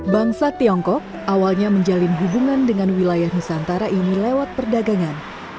bangsa tiongkok awalnya menjalin hubungan dengan wilayah nusantara ini lewat perdagangan